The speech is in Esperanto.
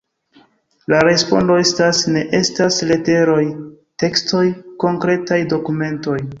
La respondo estas: ne estas leteroj, tekstoj, konkretaj dokumentoj.